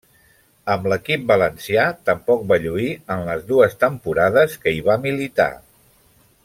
Amb l'equip valencià tampoc va lluir en les dues temporades que hi va militar.